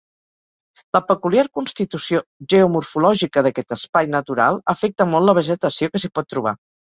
La peculiar constitució geomorfològica d'aquest espai natural afecta molt la vegetació que s'hi pot trobar.